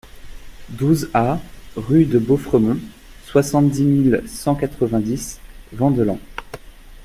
douze A rue de Bauffremont, soixante-dix mille cent quatre-vingt-dix Vandelans